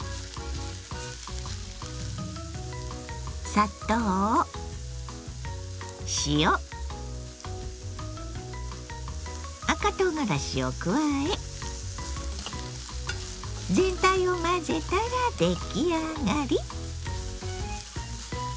砂糖塩赤とうがらしを加え全体を混ぜたら出来上がり。